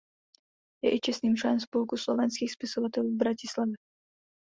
Je i čestným členem Spolku slovenských spisovatelů v Bratislavě.